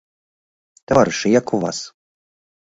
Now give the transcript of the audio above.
Таварышы, як у вас?